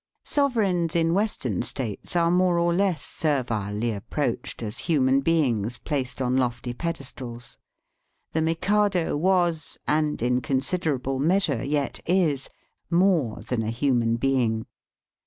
Sovereigns in Western states are more or less servilely approached as human beings placed on lofty pedestals. The Mikado was, and in considerable measure yet is, more than a human being.